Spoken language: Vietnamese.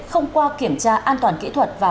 không qua kiểm tra an toàn kỹ thuật và